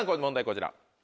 こちら。